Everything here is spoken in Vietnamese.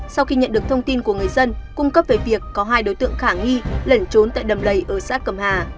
sau khi nhận được thông tin của người dân cung cấp về việc có hai đối tượng khả nghi lẩn trốn tại đầm lầy ở xã cầm hà